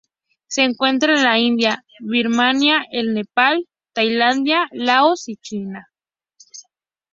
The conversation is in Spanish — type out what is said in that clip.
Se encuentra en la India, Birmania, el Nepal, Tailandia, Laos y China.